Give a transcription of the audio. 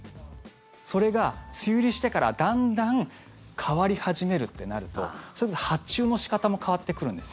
それが梅雨入りしてからだんだん変わり始めるってなると発注の仕方も変わってくるんです。